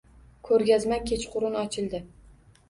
Koʻrgazma kechqurun ochildi.